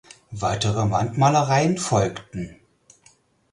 Weitere Wandmalereien folgten.